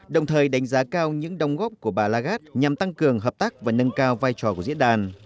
đồng thời đánh giá cao những đồng góp của bà lagarde nhằm tăng cường hợp tác và nâng cao vai trò của diễn đàn